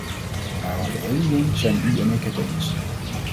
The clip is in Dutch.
Maar over één ding zijn u en ik het eens.